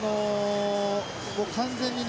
完全にね